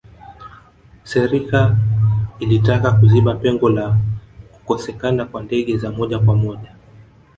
serika ilitaka kuziba pengo la kukosekana kwa ndege za moja kwa moja